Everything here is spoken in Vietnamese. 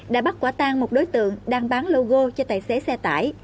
đã bắt quả tan một đối tượng đang bán logo cho tài xế xe tải